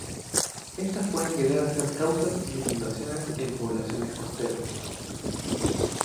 Estas pueden llegar a ser causas de inundaciones en poblaciones costeras.